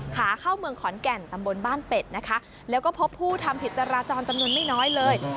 ขาเข้าเมืองขอนแก่นตำบลบ้านเป็ดนะคะแล้วก็พบผู้ทำผิดจราจรจำนวนไม่น้อยเลย